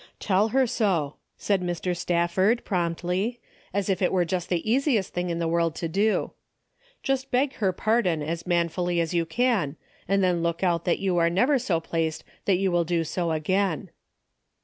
" Tell her so," said Mr. Stafford, promptly, as if it were the easiest thing in the world to do. " Just beg her pardon as manfully as you can, and then look out that you are never so placed that you will do so again."